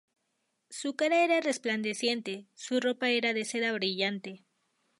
Su cara era resplandeciente, su ropa era de seda brillante.